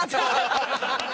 ハハハハ！